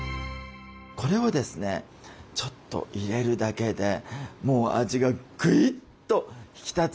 これをですねちょっと入れるだけでもう味がグイッと引き立つんですよね。